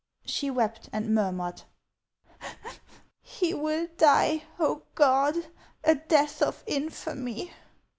She wept, and murmured :" He will die, oh, God, a death of infamy